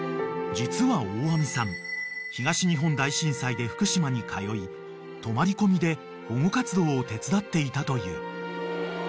［実は大網さん東日本大震災で福島に通い泊まり込みで保護活動を手伝っていたという］